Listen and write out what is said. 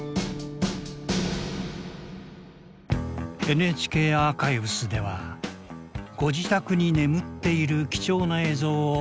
ＮＨＫアーカイブスではご自宅に眠っている貴重な映像を募集しています。